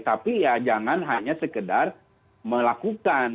tapi ya jangan hanya sekedar melakukan